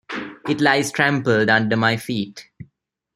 It lies trampled under my feet.